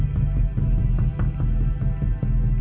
เวลาที่สุดท้าย